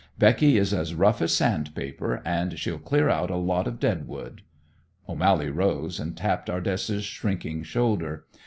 Becky is as rough as sandpaper, and she'll clear out a lot of dead wood." O'Mally rose, and tapped Ardessa's shrinking shoulder.